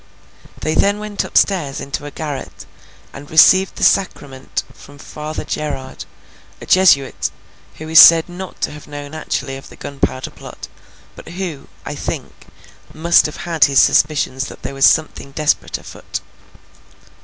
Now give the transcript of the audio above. They then went up stairs into a garret, and received the Sacrament from Father Gerard, a Jesuit, who is said not to have known actually of the Gunpowder Plot, but who, I think, must have had his suspicions that there was something desperate afoot.